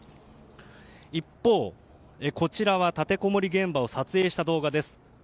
一方、こちらは立てこもり現場を撮影した動画です。